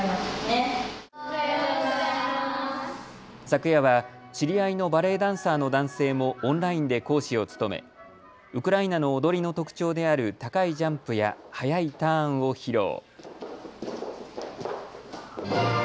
昨夜は知り合いのバレエダンサーの男性もオンラインで講師を務めウクライナの踊りの特徴である高いジャンプや速いターンを披露。